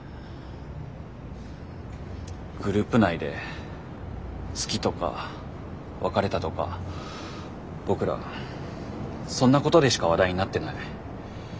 グループ内で好きとか別れたとか僕らそんなことでしか話題になってない。